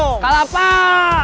vacana di tengah dua